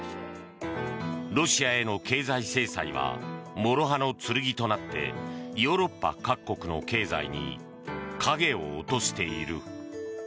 ロシアへの経済制裁はもろ刃の剣となってヨーロッパ各国の経済に影を落としている。